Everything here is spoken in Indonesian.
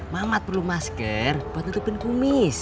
mamat perlu masker buat nutupin kumis